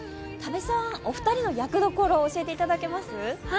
多部さん、お二人の役どころを教えていただけます？